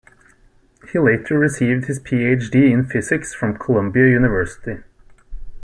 He later received his Ph.D. in Physics from Columbia University.